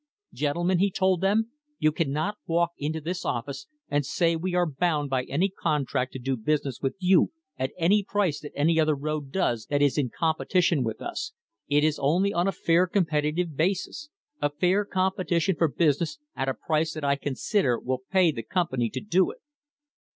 "Gentlemen," he told them, "you cannot walk into this office and say we are bound by any contract to do business with you at any price that any other road does that is in com petition with us; it is only on a fair competitive basis, a fair competition for business at a price that I consider will pay the company to do it."